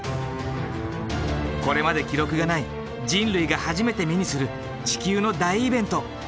これまで記録がない人類が初めて目にする地球の大イベント。